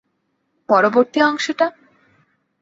পরবর্তী অংশটা কী?